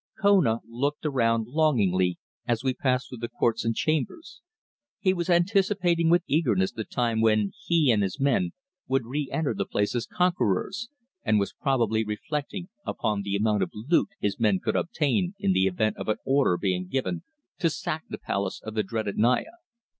Kona looked around longingly as we passed through the courts and chambers. He was anticipating with eagerness the time when he and his men would re enter the place as conquerors, and was probably reflecting upon the amount of loot his men could obtain in the event of an order being given to sack the palace of the dreaded Naya.